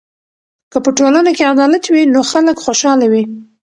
که په ټولنه کې عدالت وي نو خلک خوشحاله وي.